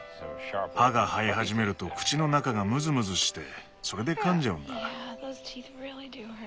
歯が生え始めると口の中がムズムズしてそれでかんじゃうんだ。